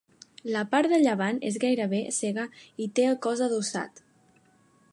La part de llevant és gairebé cega i té un cos adossat.